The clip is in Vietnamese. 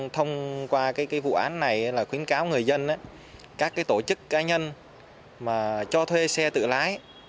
thông qua vụ án này là khuyến cáo người dân các tổ chức cá nhân cho thuê xe tự lái